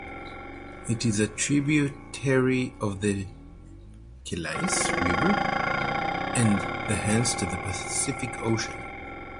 It is a tributary of the Chehalis River and thence to the Pacific Ocean.